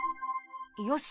よし。